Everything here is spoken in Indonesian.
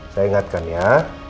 saya ingatkan ya